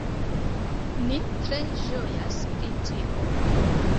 Ni tre ĝojas pri tio